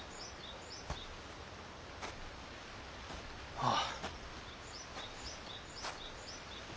ああ。